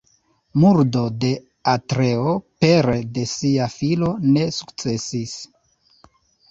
Murdo de Atreo pere de sia filo ne sukcesis.